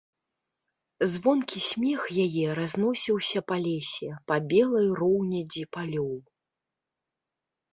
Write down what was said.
Звонкі смех яе разносіўся па лесе, па белай роўнядзі палёў.